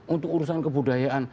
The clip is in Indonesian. untuk urusan kebudayaan